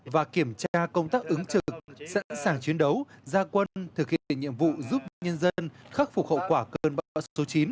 và kiểm tra công tác ứng trực sẵn sàng chiến đấu gia quân thực hiện nhiệm vụ giúp đỡ nhân dân khắc phục hậu quả cơn bão số chín